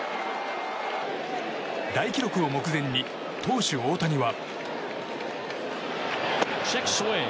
大記録を目前に投手・大谷は。